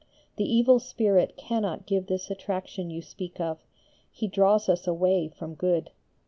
The evil spirit cannot give this attraction you speak of; he draws us away from good.